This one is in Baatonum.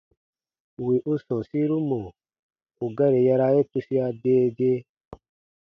Wì u sɔ̃ɔsiru mɔ̀ ù gari yaraa ye tusia dee dee.